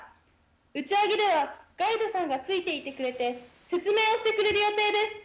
打ち上げではガイドさんがついてくれていて、説明をしてくれる予定です。